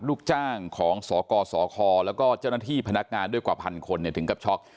ลูกจ้างของสกสคแล้วก็เจ้าหน้าที่พนักงานด้วยกว่าพันคนถึงกับช็อก